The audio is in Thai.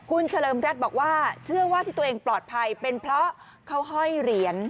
คุณเฉลิมรัฐบอกว่าเชื่อว่าที่ตัวเองปลอดภัยเป็นเพราะเขาห้อยเหรียญ